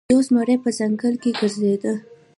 یو زمری په ځنګل کې ګرځیده.